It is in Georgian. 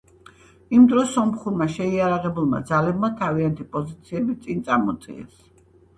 იმ დროს, სომხურმა შეიარაღებულმა ძალებმა თავიანთი პოზიციები წინ წამოწიეს.